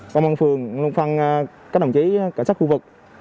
công an phường luôn phân các đồng chí cảnh sát khu vực